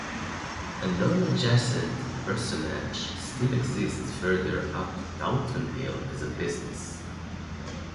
A non-adjacent parsonage still exists further up Taunton Hill as a business.